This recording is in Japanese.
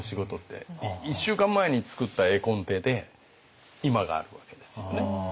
１週間前に作った絵コンテで今があるわけですよね。